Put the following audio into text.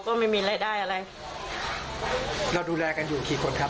คนเดียว